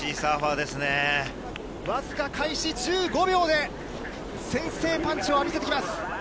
わずか開始１５秒で先制パンチを浴びてきます。